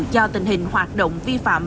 do tình hình hoạt động vi phạm